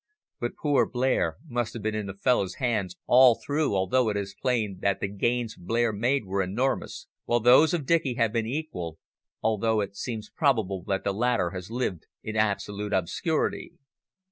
But poor Blair must have been in the fellow's hands all through although it is plain that the gains Blair made were enormous, while those of Dicky have been equal, although it seems probable that the latter has lived in absolute obscurity."